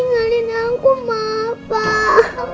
nah perasaan kita semangat